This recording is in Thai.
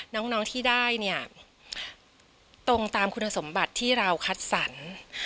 น้องที่ได้เนี่ยตรงตามคุณสมบัติที่เราคัดสรร